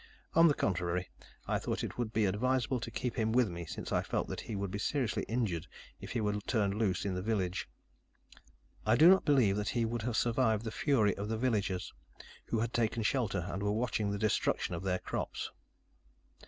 On the contrary, I thought it would be advisable to keep him with me, since I felt that he would be seriously injured if he were turned loose in the village. I do not believe he would have survived the fury of the villagers, who had taken shelter, and were watching the destruction of their crops.